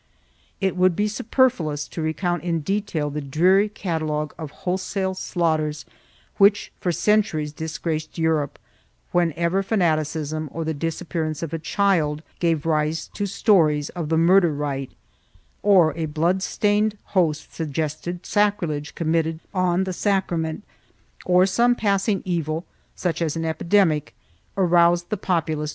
It would be superfluous to recount in detail the dreary catalogue of wholesale slaughters which for centuries disgraced Europe, whenever fanaticism or the disappearance of a child gave rise to stories of the murder rite, or a blood stained host suggested sacrilege committed on the sacrament, or some passing evil, such as an epidemic, aroused the populace to bloodshed and rapine.